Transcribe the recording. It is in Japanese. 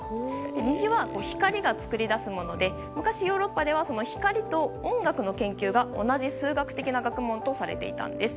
虹は光が作り出すもので昔、ヨーロッパでは光と音楽の研究が同じ数学的な学問とされていたんです。